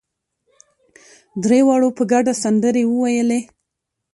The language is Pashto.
درېواړو په ګډه سندرې وويلې.